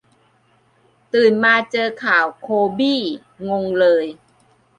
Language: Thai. ตื่นมาเจอข่าวโคบี้ งงเลย